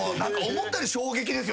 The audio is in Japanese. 思ったより衝撃です